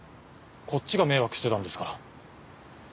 こっちが迷惑してたんですから。